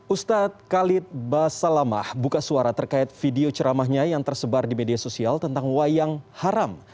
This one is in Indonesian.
ustadz khalid basalamah buka suara terkait video ceramahnya yang tersebar di media sosial tentang wayang haram